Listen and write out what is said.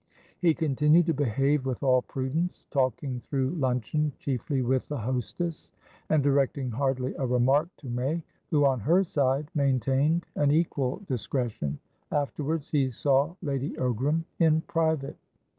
He continued to behave with all prudence, talking through luncheon chiefly with the hostess, and directing hardly a remark to May, who, on her side, maintained an equal discretion. Afterwards, he saw Lady Ogram in private.